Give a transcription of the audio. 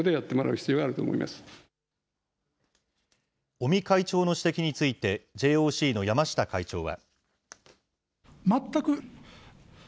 尾身会長の指摘について、ＪＯＣの山下会長は。